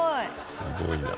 すごいな。